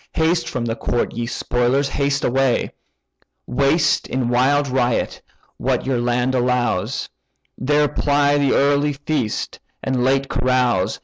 Haste from the court, ye spoilers, haste away: Waste in wild riot what your land allows, There ply the early feast, and late carouse.